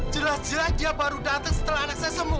jelas jelas dia baru datang setelah anak saya sembuh